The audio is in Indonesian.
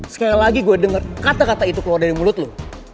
sekali lagi gue dengar kata kata itu keluar dari mulut lu